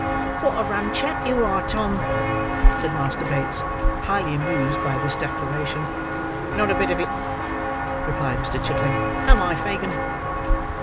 "Wot a rum chap you are, Tom!" said Master Bates, highly amused by this declaration. "Not a bit of it," replied Mr. Chitling. "Am I, Fagin?"